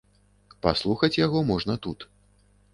Паслухаць яго можна тут.